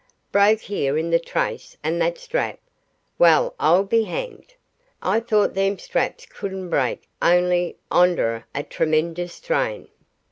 Broke here in the trace, and that strap! Well, I'll be hanged! I thought them straps couldn't break only onder a tremenjous strain.